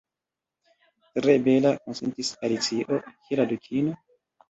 "Tre bela," konsentis Alicio. "Kie la Dukino?"